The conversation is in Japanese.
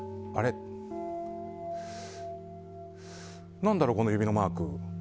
何だろう、この指のマーク。